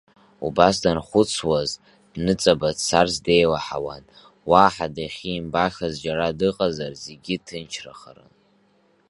Убас данхәыцуаз, дныҵаба дцарц деилаҳауан, уаҳа дахьимбашаз џьара дыҟазар, зегьы ҭынчрахарын.